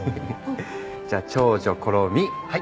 じゃあ長女コロ美。はい。